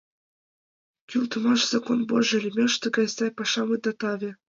Кӱлдымаш «Закон божий» лӱмеш тыгай сай пашам ида таве.